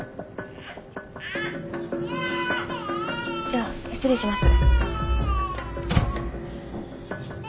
・じゃあ失礼します。